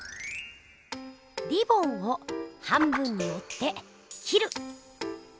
リボンを半分におって切る。